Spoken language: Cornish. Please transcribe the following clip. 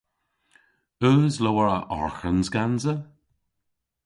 Eus lowr a arghans gansa?